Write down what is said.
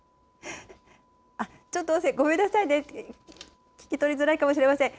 ちょっと音声、ごめんなさいね、聞き取りづらいかもしれません。